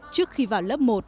trước khi vào lớp một